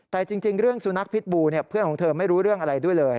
แต่จริงเรื่องสุนัขพิษบูเพื่อนของเธอไม่รู้เรื่องอะไรด้วยเลย